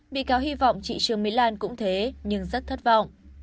bị cáo hy vọng chị trương mỹ lan cũng thế nhưng rất thất vọng